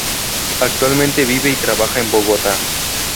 Actualmente vive y trabaja en Bogotá.